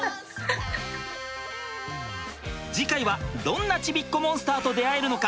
次回はどんなちびっこモンスターと出会えるのか？